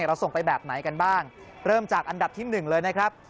เราส่งไปแบบไหนกันบ้างเริ่มจากอันดับที่๑เลยนะครับ